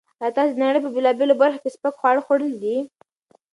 ایا تاسو د نړۍ په بېلابېلو برخو کې سپک خواړه خوړلي دي؟